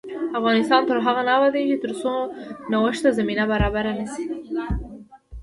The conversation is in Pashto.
افغانستان تر هغو نه ابادیږي، ترڅو نوښت ته زمینه برابره نشي.